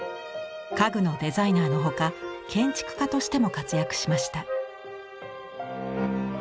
家具のデザイナーの他建築家としても活躍しました。